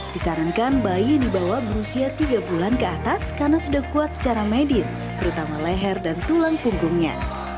disarankan bayi dibawa berusia tiga bulan ke atas karena sudah kuat secara medis terutama leher dan tulang punggungnya